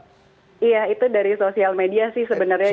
iya itu dari sosial media sih sebenarnya